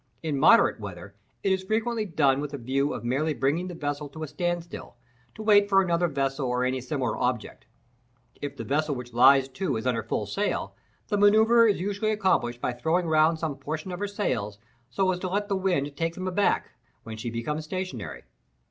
In moderate weather it is frequently done with a view of merely bringing the vessel to a stand still, to wait for another vessel or any similar object. If the vessel which lies to is under full sail, the manoeuvre is usually accomplished by throwing round some portion of her sails, so as to let the wind take them aback, when she becomes stationary.